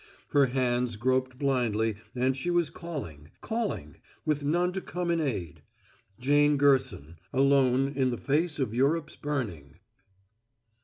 Her hands groped blindly and she was calling calling, with none to come in aid. Jane Gerson alone in the face of Europe's burning!